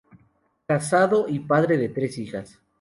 Casado y padre de tres hijas.